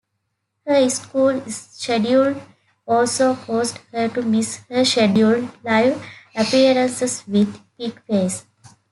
Her school schedule also caused her to miss her scheduled live appearances with Pigface.